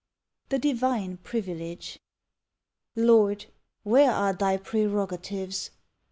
THE DIVINE PRIVILEGE Lord, where are Thy prerogatives?